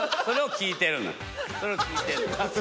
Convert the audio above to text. それを聞いてるの。